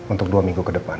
untuk dua minggu ke depan